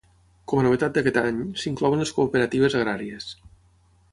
Com a novetat d'aquest any, s'inclouen les cooperatives agràries.